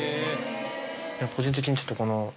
個人的にちょっと。